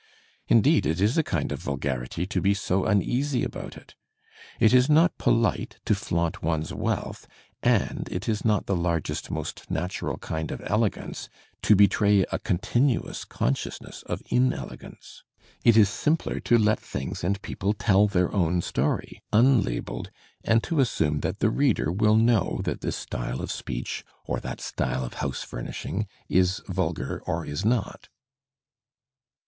Indeed it is a kind of vulgarity to be so uneasy about it; it is not polite to fiaunt one's wealth, and it is not the largest most natural kind of elegance to betray a continuous consciousness of inelegance: it is simpler to let things and people tell their own story, unlabelled. Digitized by Google 332 THE SPmiT OF AMERICAN LITERATURE and to assume that the reader will know that this style of speech on that style of housefumishing is vulgar or is not.